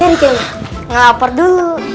jadi kayaknya ngelapar dulu